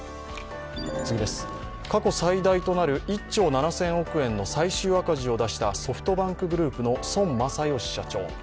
過去最大となる１兆７０００億円の最終赤字を出したソフトバンクグループの孫正義社長。